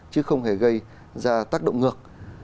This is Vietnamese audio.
chứ không hề gây ra tác động ngược